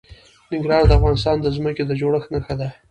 ننګرهار د افغانستان د ځمکې د جوړښت نښه ده.